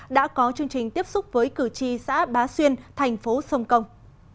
đã có chương trình tiếp xúc với cử tri xã bá xuyên thành phố sông công